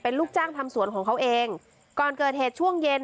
ลูกจ้างทำสวนของเขาเองก่อนเกิดเหตุช่วงเย็น